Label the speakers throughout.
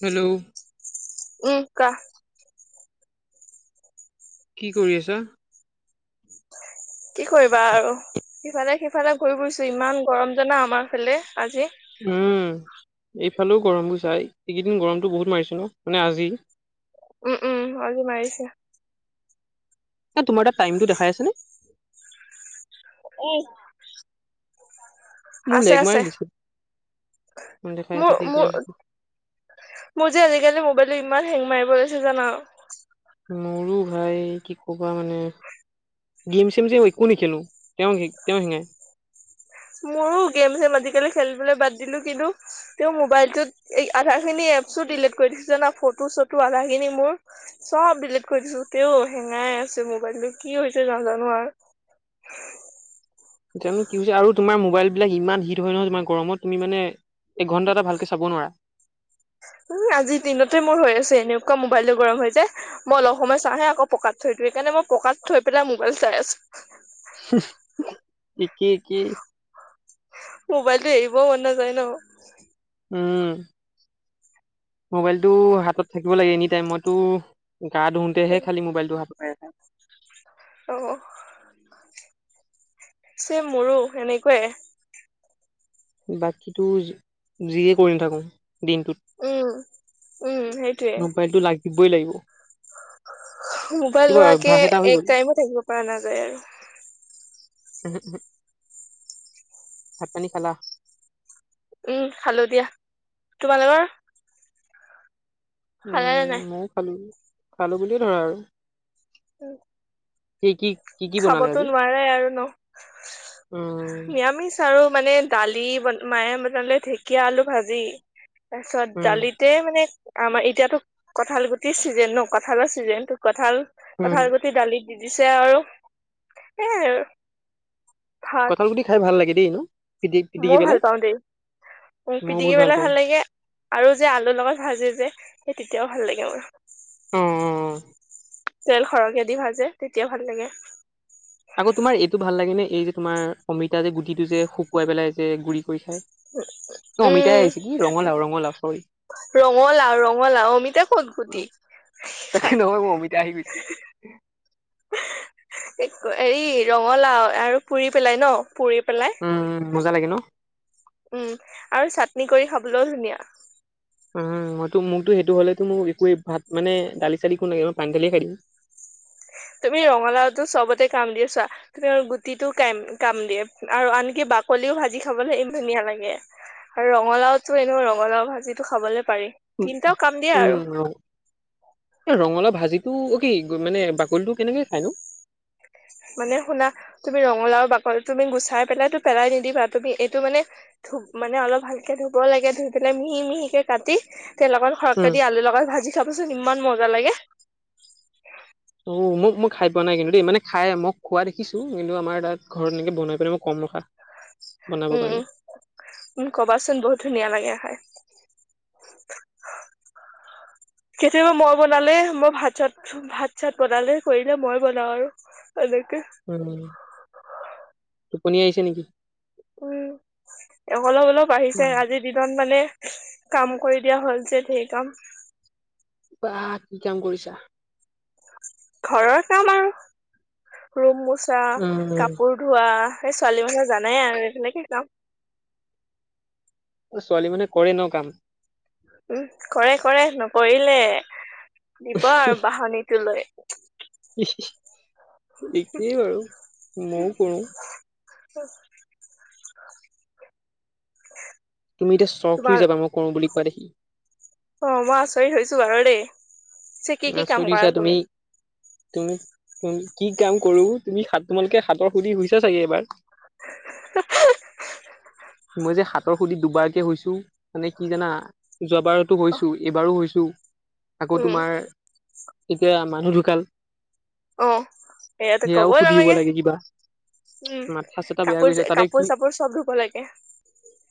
Speaker 1: Hello
Speaker 2: উ কোৱা।
Speaker 1: কি কৰি আছা?
Speaker 2: সিফালে সিফালে ঘূৰি ফুৰিছো ইমান গৰম জানা আমাৰ ফালে আজি।
Speaker 1: উম। এইফালেও গৰম গ চাই এইকেইদিন গৰমতো বহুত মাৰিছে ন মানে আজি।
Speaker 2: উম উম আজি মাৰিছে।
Speaker 1: তাত তোমাৰ তাত টাইমটো দেখাই আছে নে?
Speaker 2: [unintelligible]
Speaker 1: মোৰ লেগ মাৰি দিছে। অ', দেখাই আছে ঠিকে
Speaker 2: মোৰ-মোৰ,
Speaker 1: আছে।
Speaker 2: মোৰ যে আজিকালি মবাইলটো ই ইমান হেং মাৰিব লৈছে জানা।
Speaker 1: মোৰো ভাই, কি ক'বা মানে। গেম চেম যেই একো নেখেলো, তেওঁ তেওঁ শিঙাই
Speaker 2: মোৰো গেম চম আজিকালি খেলিবলৈ বাদ দিলো কিন্তু তেওঁ মোবাইলটোত আধা খিনি এপছো ডিলিট কৰি দিছো জ না ফটো চটো আধাখিনি মোৰ চব ডিলিট কৰি দিছো তেও হেঙাই আ মোবাইলটো কি হৈছে জ জানো আৰু।
Speaker 1: [inaudible] ততিয়ানে কি হৈছে আৰু তোমাৰ মোবাইল বিলাক ইমান হিট হয় নহয় তোমাৰ গৰমত তুমি মানে এঘন্টা এটা ভালকে চাব নোৱাৰা।
Speaker 2: উম আজিৰ দিনতে মোৰ হৈ আছে এনেকুৱা মোক মোবাইলটো গৰম হৈ যায় মই অলপ সময় চাহহে আকৌ পকাত থৈ দিওঁ সেইকাৰে মই পকাত থৈ পেলাই মোবাইল চাই আছো।
Speaker 1: কি কি?
Speaker 2: মোবাইলতটো এৰিবও মন নাযায় ন।
Speaker 1: হম। মোবাইলটো হাতত থাকিব লাগে এনি টাইম মইতো গা ধুহোতেহে খালি মোবাইলটো হাতত পাই
Speaker 2: অ' ছেম মোৰো এনেকুৱাই।
Speaker 1: বাকীতো যিয়ে কৰি নথাকো। দিনটোত,
Speaker 2: উম উম সেইটোয়ে
Speaker 1: মোবাইলটো লাগিবই লাগিব।
Speaker 2: মোবাইল
Speaker 1: কিবা
Speaker 2: লোৱাকে
Speaker 1: অভ্যাস এটা হৈ গ'ল
Speaker 2: এক টাইমো থাকিব পৰা নাযায় আৰু।
Speaker 1: উম উ, ভাতপানী খালা?
Speaker 2: উম খালো দিয়া, তোমালোকৰ? খালা নে
Speaker 1: উম
Speaker 2: নাই
Speaker 1: ময়ও খালো, খালো বুলিয়ে ধৰা আৰু।
Speaker 2: উম।
Speaker 1: কি কি কি কি বনালে
Speaker 2: খাবতো
Speaker 1: আজি
Speaker 2: নোৱাৰে আৰু ন,
Speaker 1: উম
Speaker 2: নৰামিষ আৰু মানে দালি বন মায়ে বনালে ঢেকীয়া আলু ভাজি। তাৰপিছত
Speaker 1: উম
Speaker 2: দালিতে মানে আমাৰ এতিয়াতো কঠাল গুটিৰ চিজনে ন কঠালৰ চিজন তটো কঁঠাল
Speaker 1: উম
Speaker 2: কঁঠাল গুটি দালিত দি দিছে আৰু সেইয়াই আৰু। ভাত
Speaker 1: কঁঠাল গুটি খাই ভাল লাগে দেই, নো পিটি পিটিকি পেলাই।
Speaker 2: উ
Speaker 1: ময়ো
Speaker 2: পিটিকি
Speaker 1: বহুত
Speaker 2: পেলাই
Speaker 1: পাওঁ
Speaker 2: ভাল লাগে আৰু, যে আলুৰ লগত ভাজি যে। সেই তেতিয়াও ভাল লাগে মোৰ।
Speaker 1: অ'।
Speaker 2: তেল সৰকে দি ভাজে তেতিয়া ভাল লাগে।
Speaker 1: আকৌ তোমাৰ এইটো ভাল লাগে নে এই যে তোমাৰ অমিতা যে গুটিটো যে শুকুৱাই পেলাই যে গুৰি কৰি খাই। ত অমিতাই
Speaker 2: উম
Speaker 1: আহিছে কি ৰঙালাও ৰঙালাও চৰি।
Speaker 2: ৰঙালাও ৰঙালাও, অমিতা কত গুটি
Speaker 1: তাকে নহয় মোৰ অমিতা আহি গৈছে।
Speaker 2: হেৰি ৰঙালাও আৰু পুৰি পেলাই ন পুৰি পেলাই।
Speaker 1: উম মজা লাগে ন?
Speaker 2: উম আৰু চাটনি কৰি খাবলৈও ধুনীয়া।
Speaker 1: অ মইো মোকতো সেইটো হ'লেতো মোক একোৱেই ভাত মানে দালি চালি কোন লাগে মই পানী দালিয়ে খাই দিও।
Speaker 2: তুমি ৰঙালাওটো চবতে কাম দিয়ে চোৱা, তুমি গুটিটো কাম-কাম দিয়ে, আৰু আনকি বাকলি লিও ভাজি খাবলে ইমান ধুনীয়া লাগে, আৰু ৰঙালাওটো এনেও ৰঙালাও ভাজিটো খাবলৈ পাৰি তিনটাও কাম দিয়ে আৰু
Speaker 1: উম, ৰঙ এই ৰঙলাও ভাজ যিটো অ' কি মানে বাকলিটো কেনেকৈ খায়নো?
Speaker 2: মানে শুনা তুমি ৰঙালাও বাকলি তুমি গুচাই পেলাইতো পেলাই নিদিবা, তুমি এইটো মানে ধু মানে অলপ ভালকে ধুব লাগে ধুই পেলাই মিহি মিহিকে কাটি তেল লগত
Speaker 1: উম,
Speaker 2: সৰহকৈ দি আলু লগত ভাজি খাবচোন ইমান মজা লাগে।
Speaker 1: অ' মোক মই খাই পোৱা নাই কিন্তু দেই মানে খাই মই খোৱা দেখিছো কিন্তু আমাৰ তাত ঘৰত এনেকে বনাই পিাই মোক কম ৰখা বনাব
Speaker 2: উম উ
Speaker 1: কাৰণে।
Speaker 2: উম, কবাচোন বহুত ধুনীয়া লাগে হয়।
Speaker 1: [inaudible]
Speaker 2: কেতিয়াবা মই বনালে মই ভাত চাত ভাত চাত বনালে কৰিলে মই বনাওঁ আৰু। এনেকে
Speaker 1: উম, টোপনি আহিছে নেকি?
Speaker 2: উম, অলপ-অলপ আহিছে
Speaker 1: উম,
Speaker 2: আজি দিনত মানে কাম কৰি দিয়া হ'ল যে, ধেই কাম।
Speaker 1: বাঃ কি কাম কৰিছা?
Speaker 2: ঘৰৰ কাম আৰু, ৰুম মোচা,
Speaker 1: উম।
Speaker 2: কাপোৰ ধোৱা ছোৱালী মানুহ জানাই আৰু সেই তেনেকেই কাম
Speaker 1: ছোৱালী মানুহে কৰে ন' কাম।
Speaker 2: উম, কৰে-কৰে নকৰিলে দিব আৰু বাহনিটো লৈ।
Speaker 1: একেই বাৰু মইও কৰোঁ
Speaker 2: [unintelligible]
Speaker 1: তুমি এতিয়া স্বক হৈ
Speaker 2: তোমাৰ
Speaker 1: যাবা, মই কৰো বুলি কোৱা দেখি।
Speaker 2: অ, মই আচৰিত হৈছো বাৰু দেই। পিছে কি কি কাম
Speaker 1: আচৰিত
Speaker 2: কৰা
Speaker 1: হৈছা তুমি তুমি কি কাম কৰো তুমি সাটমলকে সাতৰ সুধি শুইছা চাগে এবাৰ মই যে সাতৰ খুধি দুবাৰকে হৈছো মানে কি জানা যোৱাবাৰতো হৈছো, এইবাৰো হৈছো, আকৌ
Speaker 2: উম
Speaker 1: তোমাৰ এতিয়া মানুহ ঢুকাল
Speaker 2: অ, এইয়াটো
Speaker 1: সেয়াও
Speaker 2: কবই
Speaker 1: সুধিব
Speaker 2: নালাগে।
Speaker 1: লাগে কিবা
Speaker 2: উম,
Speaker 1: মাথা চাথা বেয়া গৈছে তাতে কি
Speaker 2: কাপোৰ-কাপোৰ চাপোৰ চব ধুব লাগে।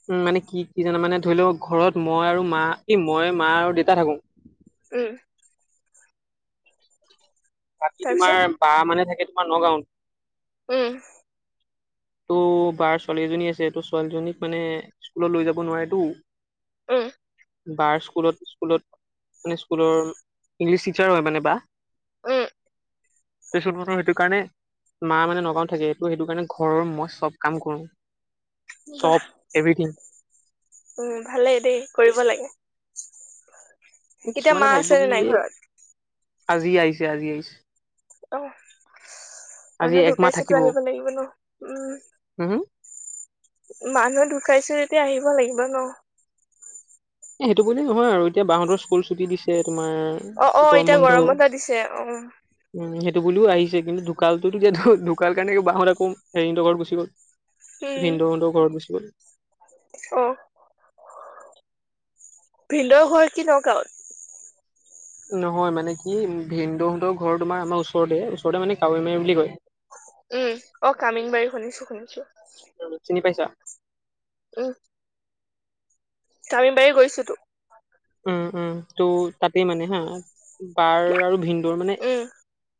Speaker 1: উম, মানে কি-কি জানা মানে, ধৰি লওক ঘৰত মই আৰু মা ই মই মা আৰু দেতা থাকো
Speaker 2: উম,
Speaker 1: বাকী
Speaker 2: তাৰপিছত
Speaker 1: তোমাৰ বা মানে থাকে তোমাৰ নগাঁওত।
Speaker 2: উম,
Speaker 1: ত' বাৰ ছোৱালী এজনী আছে, তো ছোৱালীজনীক মানে স্কুলত লৈ যাব নোৱাৰেটো
Speaker 2: উম,
Speaker 1: বাৰ স্কুলত-স্কুলত মানে স্কুলৰ ইংলিছ টিচাৰ হয় মানে বা।
Speaker 2: উম,
Speaker 1: তাৰপিছত মানে সেইটো কাৰণে মা মানে নগাঁওত থাকে এইটো সেইটো কাৰণে ঘৰৰ মই চব কাম কৰোঁ।
Speaker 2: বাঃ উম, ভালেই দেই, কৰিব লাগে। এতিয়া
Speaker 1: কিছুমানে
Speaker 2: মা
Speaker 1: ভাবিব
Speaker 2: আছে
Speaker 1: কি
Speaker 2: নে নাই
Speaker 1: এই
Speaker 2: ঘৰত?
Speaker 1: আজি আহিছে আজি আহিছে।
Speaker 2: অ,
Speaker 1: আজি
Speaker 2: মানুহ
Speaker 1: একমাহ
Speaker 2: ঢুকাইচেতো
Speaker 1: থাকিব
Speaker 2: আহিব লাগিবই ন, উম,
Speaker 1: হম হম
Speaker 2: মানুহ ঢুকাইছে যেতিয়া আহিব লাগিব ন'।
Speaker 1: এ সেইটো ব নহয় আৰু, এতিয়া বাহতৰ স্কুল ছুটি দিছে তোমাৰ
Speaker 2: অ অ
Speaker 1: গৰম
Speaker 2: এতিয়া
Speaker 1: বন্ধও,
Speaker 2: বন্ধ দিছে অ
Speaker 1: উম সে টো বুলিও আহিছে কিন্তু ঢুকালটোটো এতিয়া ঢু-ঢুকাল কাৰণে বা হত আকৌ হেৰি হঁতৰ ঘৰত গুচি গ'ল।
Speaker 2: উম
Speaker 1: ভিনদেউ হঁতৰ ঘৰত গুচি গল।
Speaker 2: অ', ভিন্দৰ হ কি নগাঁৱত?
Speaker 1: নহয় মানে, কি ভিনদহঁতৰ ঘৰ তোমাৰ আমাৰ ওচৰতে- ওচৰতে মানে কাৱৈ মাৰী বুলি কয়।
Speaker 2: উম, অ' কামিনবাৰী শুনিছো- শুনিছো।
Speaker 1: চিনি পাইছা?
Speaker 2: আহ। কামিনবাৰী গৈছোতো।
Speaker 1: উম-উম ত' তাতে মানে হা, বাৰ আৰু ভিনদেউৰ মানে
Speaker 2: উম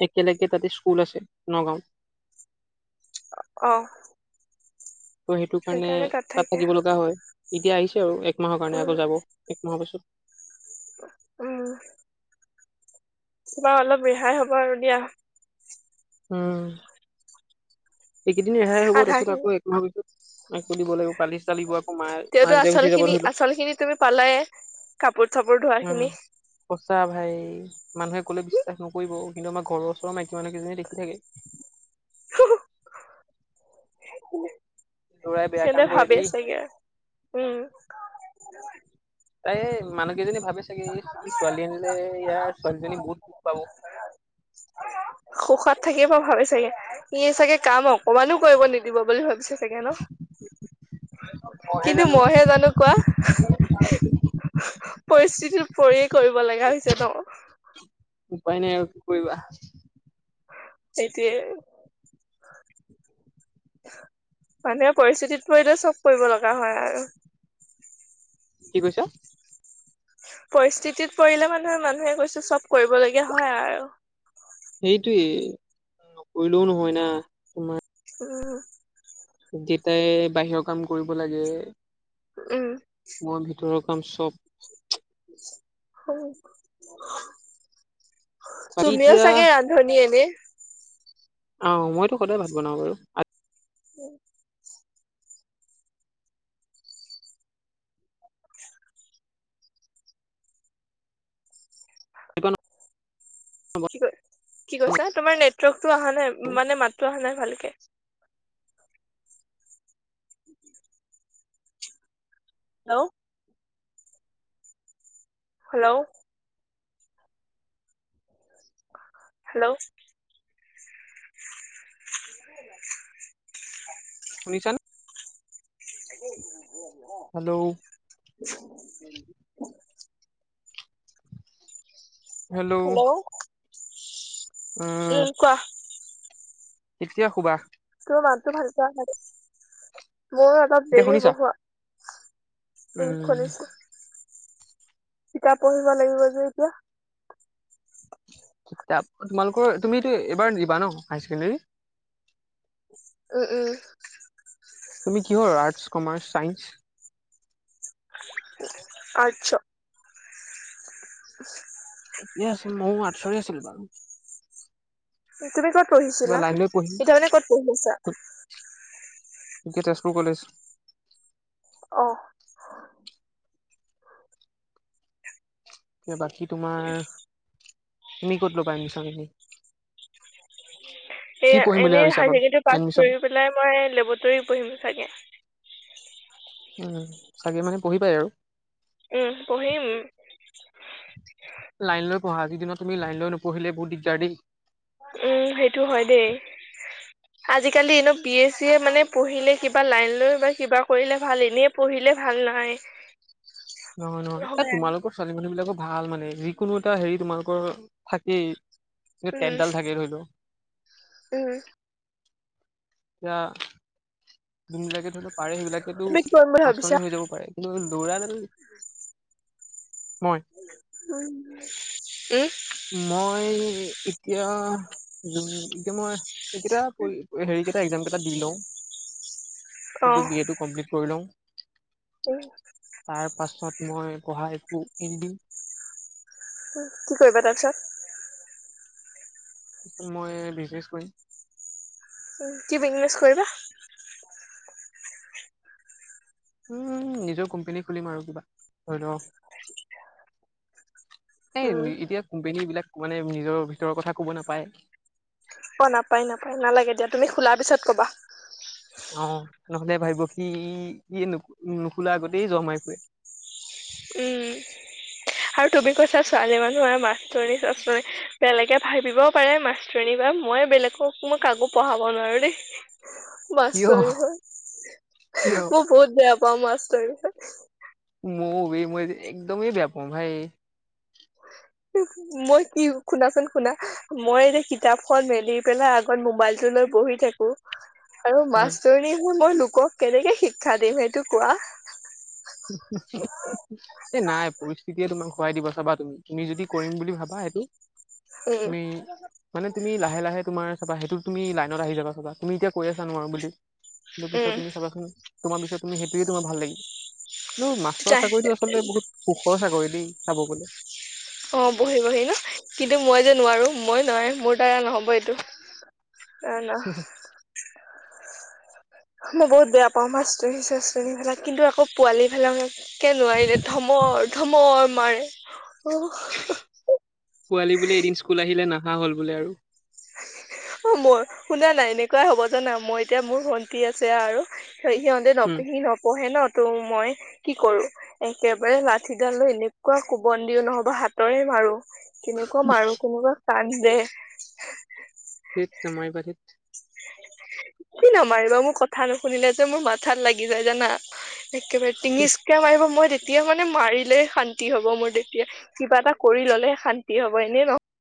Speaker 1: একেলগে ততে স্কুল আছে নগাঁওত।
Speaker 2: অ',
Speaker 1: ত' সেইটো কাৰণে
Speaker 2: সেইকাৰণে
Speaker 1: তাত
Speaker 2: থাকে
Speaker 1: থাকিব লগা হয়, এতিয়া আহিছে আৰু এক মাহৰ কাৰণে
Speaker 2: উম
Speaker 1: আকৌ যাব, এক মাহৰ পিছত।
Speaker 2: উম। কিবা অলপ ৰেহাই হ'ব আৰু দিয়া।
Speaker 1: উম। এইকেইদিন ৰেহাই হ'ব তাৰ
Speaker 2: আধা খিনি
Speaker 1: পিছতকৌ একমাহৰ, পিছত আকৌ দিব লাগিব। পালিচ লাগিব আকৌ মা মা
Speaker 2: তেওঁতো
Speaker 1: যেতিয়া
Speaker 2: আচল
Speaker 1: গুচি যাব
Speaker 2: খিনি
Speaker 1: ধৰি লওক
Speaker 2: আচল খিনি তুমি পালাইে। কাপোৰ -চাপোৰ ধোৱা খিনি।
Speaker 1: আচ্ছা ভাই মানুহে কলে বিশ্বাস নকৰিব। কিন্তু আমাৰ ঘৰৰ ওচৰ মাইকী মানুহকেইজনীয়ে দেখি থাকে। [inaudible] ল'ৰাই বেয়া
Speaker 2: সেইে
Speaker 1: কাম কৰে
Speaker 2: ভাবি
Speaker 1: দেই
Speaker 2: চাগে, উম।
Speaker 1: তাই মানুহ কেইজনী ভাবে চাগে ই ছোৱালী আনিলে ইয়াৰ ছোৱালীজনী বহুত দুখ পাব।
Speaker 2: সুখত থাকিয়ে মই ভাবি চাগে, সি চাগে কাম অকমানো কৰিব নিদিব বুলি ভাবি চাগে। চাগে ন, কিন্তু মইহে জানো কোৱা। পৰিস্থিতি পৰিয়ে কৰিব লগা হৈছে ন।
Speaker 1: [inaudible] কৰিবা।
Speaker 2: সেইটোৱে। মানুহে পৰিস্থিতিত পৰিলে চব কৰিব লগা হয় আৰু।
Speaker 1: কি কৈছা?
Speaker 2: পৰিস্থিতিত পৰিলে মানুহে -মানুহে কৈছে চব কৰিবলগীয়া হয় আৰু।
Speaker 1: সেইটোৱে, নকৰিলেও নহয় না।
Speaker 2: উম।
Speaker 1: জেতাই বাহিৰৰ কাম কৰিব লাগে।
Speaker 2: উম।
Speaker 1: মই ভিতৰৰ কাম চব।
Speaker 2: [inaudible]
Speaker 1: বাকী
Speaker 2: তুমিও
Speaker 1: এতিয়া
Speaker 2: চাগে ৰান্ধনী এনে।
Speaker 1: আহ, মইতো সদায় ভাত বনাওঁ বাৰু।
Speaker 2: উম। কি ক কি কৈছা? তোমাৰ নেটৱৰ্কতটো অহা নাই, মানে মাতো অহা নাই ভালকে। হেল্ল' হেল্ল' হেল্ল'
Speaker 1: শুনিচানে? হেল্ল'
Speaker 2: [inaudible]
Speaker 1: হেল্ল
Speaker 2: উম, কোৱা।
Speaker 1: কেতিয়া শুবা?
Speaker 2: মোৰ মানটো ভালকে আহা নাই, মোৰ অলপ
Speaker 1: এতিয়া
Speaker 2: দেৰি হব
Speaker 1: শুনিছা
Speaker 2: শুৱা। উম শুনিছো। কিতাপ পঢ়িব লাগিব যে এতিয়া।
Speaker 1: তোমালোকৰ তুমিতো এইবাৰ দিবা ন হাইাৰ ছেকেণ্ডৰী?
Speaker 2: উম উম।
Speaker 1: তুমি কিহৰ আৰ্টছ কমাৰ্চ ছাইেন্স?
Speaker 2: আৰ্টছ। [inaudible]
Speaker 1: থিকে আছিল, ময়ো আৰ্টছৰে আছিলো বাৰু।
Speaker 2: তুমি কত
Speaker 1: কিবা
Speaker 2: পঢ়িছিলা,
Speaker 1: লাইন লৈ পঢ়িম
Speaker 2: এতিয়া মানে কত পঢ়ি আছা?
Speaker 1: ইকে তেজপুৰ কলেজ।
Speaker 2: অ'।
Speaker 1: বাকী তোমাৰ, তুমি কত লবা এডমিচন? [inaudible]
Speaker 2: এনেই হায় ছেকেণ্ডৰী পাছ কৰি পেলাই মই লেবটৰীত পঢ়িম চাগে।
Speaker 1: উম চাগে মানে পঢ়িবা এ আৰু।
Speaker 2: উম পঢ়িম।
Speaker 1: লাইন লৈ পঢ়া আজিদিনত তুমি লাইন লৈ নপঢ়িলে বহুত দিগদাৰ দেই।
Speaker 2: উম সেইটো হয় দেই। আজিকালি এনে বি এছ চি এ মানে পঢ়িলে কিবা লাইন লৈ বা কিবা কৰিলে ভাল এনেই পঢ়িল ভাল নহয়।
Speaker 1: নহয় নহয় এ তোমালোকৰ ছোৱালী মানুহ বিলাকক ভাল মানে যিকোনো এটা হেৰি তোমালোকৰ থাকেই কি
Speaker 2: উম
Speaker 1: তেটডাল থাকেই ধৰি লও।
Speaker 2: উম।
Speaker 1: এতিয়া যোনবিলাকে ধৰি লও পাৰে সেইবিলাকেতো
Speaker 2: তুমি কি কৰিম বুলি ভাবিছা?
Speaker 1: আচনি হৈ যাব পাৰে কিন্তু দূৰা ন।
Speaker 2: উম।
Speaker 1: মই এতিয়া এতিয়া মই এইকেইটা হেৰি কেইটা এক্সাম কেইটা দি লওঁ।
Speaker 2: অ
Speaker 1: সেইটো বি এ টো কমপ্লিট কৰি লওঁ। তাৰ পাছত মই পঢ়া একো অৰিদিম।
Speaker 2: কি কৰিবা তাৰপিছত?
Speaker 1: মই বিজনেচ কৰিম।
Speaker 2: কি বিজনেছ কৰিবা?
Speaker 1: উম নিজৰ কোম্পানী খুলিম আৰু কিবা, হয় ন
Speaker 2: উম
Speaker 1: এই এতিয়া কোম্পানী বিলাক মানে নিজৰ ভিতৰৰ কথা কব নাপায়।
Speaker 2: অ নাপায় নাপায় নালাগে দিয়া তুমি খোলাৰ পিছত কবা।
Speaker 1: অ' নহ'লে ভাবিব সি নুখোলা আগতেই জমাই ফুৰে।
Speaker 2: উম। আৰু তুমি কৈছা ছোৱালী মানুহ আৰু মাছৰ বেলেগে ভাবিবও পাৰে মাছতৰণী বা মই বেলেগক মই কাকো পঢ়াব নোৱাৰো দেই। মাছ
Speaker 1: কিয়
Speaker 2: ধৰি হয়,
Speaker 1: কিয়
Speaker 2: মই বহুত বেয়া পাওঁ মাছ ধৰি হয়।
Speaker 1: ম মই একদমেই বেয়া পাওঁ ভাই।
Speaker 2: মই কি শুনাচোন শুনা মই এতিয়া কিতাপখন মেলি পেলাই আগত মোবাইলটো লৈ বহি থাকো। আৰু
Speaker 1: উম
Speaker 2: মাষ্টীৰণি হৈ মই লোকক কেনেকে শিক্ষা দিম সেইটো কোৱা।
Speaker 1: এ নাই পৰিস্থিতিয়ে তোমাৰ খুৱাই দিব চাবা তুমি তুমি যদি কৰিম বুলি ভাবা সেইটো
Speaker 2: উম
Speaker 1: তুমি মানে তুমি লাহে লাহে তোমাৰ চাবা সেইটো তুমি লাইনত আহি যাবা চাবা তুমি এতিয়া কৈ আছা নোৱাৰো বুলি। পিছত
Speaker 2: উম
Speaker 1: তুমি চাবাচোন তোমাৰ পিছত তুমি সেইটোৱে তোমাৰ ভাল লাগিব। আৰু মাষ্টৰ
Speaker 2: তাই
Speaker 1: চাকৰিতটো আচলতে বহুত সুখৰ চাকৰি দেই চাব গলে।
Speaker 2: অ', বহি- বহি ন কিন্তু মই যে নোৱাৰো মই নোৱাৰাই মোৰ দাৰা নহব এইটো। অ', ন। মই বহুত বেয়া পাওঁ মাছ [unintelligible] চেনি ফালা কিন্তু আকৌ পোৱালি ফালও একে নোৱাৰিলে ধমৰ-ধমৰ মাৰে। অ
Speaker 1: পোৱালি বোলে এদিন স্কুল আহিলে নাহা হল বোলে আৰু।
Speaker 2: অ', মই শুনা নাই এনেকুৱাই হ'ব জানা মই এতিয়া মোৰ ভন্টি আছে আৰু সিহঁতে ন
Speaker 1: উম
Speaker 2: সি নপঢ়ে ন তো মই কি কৰো একেবাৰে লাঠিডালৈ এনেকুৱা কোবন দিও নহবা হাতৰে মাৰো। কেনেকুৱা মাৰো কেনেকুৱা কান্দে।
Speaker 1: হেত নামাৰিবা ধেত।
Speaker 2: কি নামাৰিবা মোৰ কথা নুশুনিলে যে মোৰ মাথাত লাগি যায় জানা। একেবাৰে টঙিচকে মাৰিব মই তে তেতিয়া মানে মাৰিলে শান্তি হব মোৰ তেতিয়া, কিবা এটা কৰি ললে শান্তি হব এনে নহ